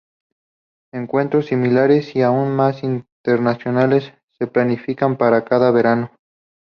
Encuentros similares y aún más internacionales se planifican para cada verano.